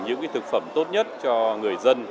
những thực phẩm tốt nhất cho người dân